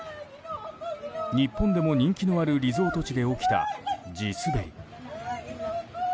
日本でも人気のあるリゾート地で起きた地滑り。